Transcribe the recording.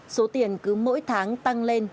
số tiền cứ mỗi tháng tăng lên